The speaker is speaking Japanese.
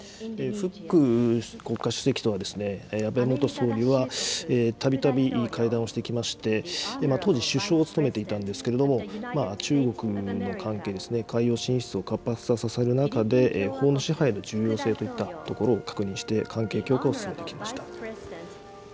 フック国家主席とは、安倍元総理はたびたび会談をしてきまして、当時、首相を務めていたんですけれども、中国の関係ですね、海洋進出を活発化させる中で、法の支配の重要性といったところを確認して、関係強化を進めてきました。